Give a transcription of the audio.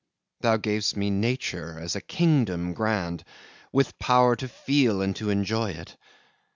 Thou gav'st me Nature as a kingdom grand, With power to feel and to enjoy it.